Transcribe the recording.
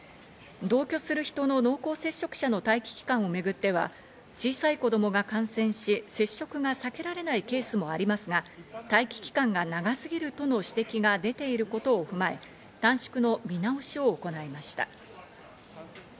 同居する人の濃厚接触者の待機期間をめぐっては、小さい子供が感染し、接触が避けられないケースもありますが、待機期間が長すぎるとの指摘が出ていることを踏まえ、短縮の見直しを行いました。